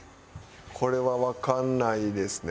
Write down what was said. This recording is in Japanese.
これはわかんないですね。